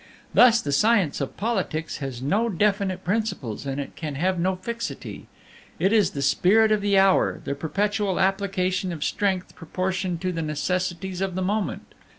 "Thus the science of politics has no definite principles, and it can have no fixity; it is the spirit of the hour, the perpetual application of strength proportioned to the necessities of the moment.